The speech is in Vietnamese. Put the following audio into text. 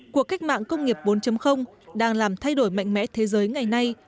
cuộc cách mạng công nghiệp bốn đang làm thay đổi mạnh mẽ thế giới ngày nay